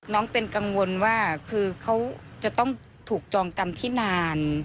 น้องเป็นกังวลว่าคือเขาจะต้องถูกจองกรรมที่นาน